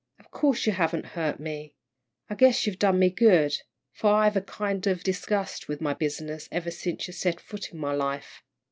Of course you haven't hurt me. I guess you've done me good, for I've had a kind of disgust with my business ever since you set foot in my life."